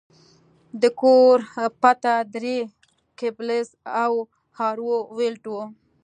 د کور پته درې ګیبلز او هارو ویلډ وه